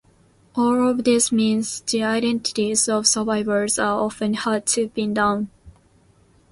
All of this means the identities of survivors are often hard to pin down.